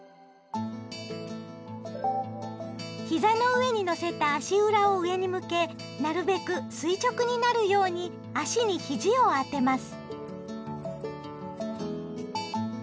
膝の上にのせた足裏を上に向けなるべく垂直になるように足にひじを当てます。